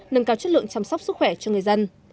nâng cao chất lượng chăm sóc sức khỏe cho người dân